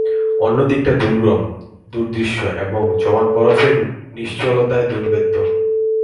অন্য দিকটা দুর্গম, দুর্দৃশ্য এবং জমাট বরফের নিশ্চলতায় দুর্ভেদ্য।